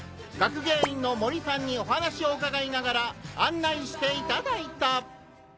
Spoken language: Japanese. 学芸員の森さんにお話を伺いながら案内していただいた！